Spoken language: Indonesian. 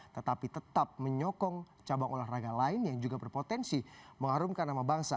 tetapi tetap menyokong cabang olahraga lain yang juga berpotensi mengharumkan nama bangsa